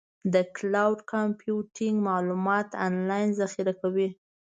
د کلاؤډ کمپیوټینګ معلومات آنلاین ذخیره کوي.